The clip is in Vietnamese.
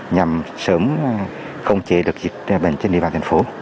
nhằm sớm khống chế được dịch bệnh trên địa bàn thành phố